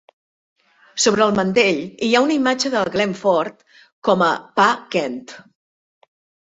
Sobre el mantell hi ha una imatge de Glenn Ford com a Pa Kent.